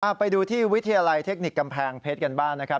ไปดูที่วิทยาลัยเทคนิคกำแพงเพชรกันบ้างนะครับ